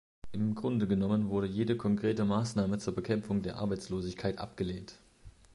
Im Grunde genommen wurde jede konkrete Maßnahme zur Bekämpfung der Arbeitslosigkeit abgelehnt.